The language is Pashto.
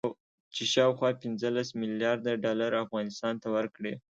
چې شاوخوا پنځلس مليارده ډالر افغانستان ته ورکړي